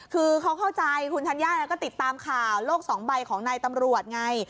คือเขาเข้าใจคุณธัญญาก็ติดตามข่าวโลกสองใบของนายตำรวจไง